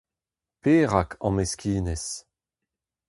Perak am heskinez ?